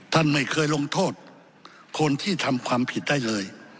ท่านไม่เคยลงโทษคนที่ทำความผิดได้เลย